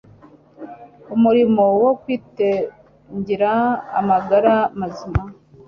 Umurimo wo kwitungira amagara mazima